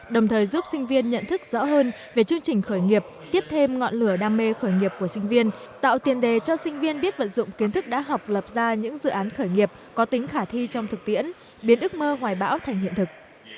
đồng thời giúp sinh viên nhận thức rõ hơn về chương trình khởi nghiệp tiếp thêm ngọn lửa đam mê khởi nghiệp của sinh viên tạo tiền đề cho sinh viên biết vận dụng kiến thức đã học lập ra những dự án khởi nghiệp có tính khả thi trong thực tiễn biến ước mơ hoài bão thành hiện thực